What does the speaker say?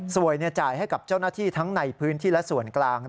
จ่ายให้กับเจ้าหน้าที่ทั้งในพื้นที่และส่วนกลาง